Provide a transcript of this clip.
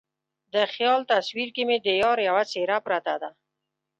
د خیال تصویر کې مې د یار یوه څیره پرته ده